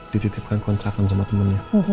dititipkan kontrakan sama temennya